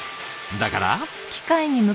だから。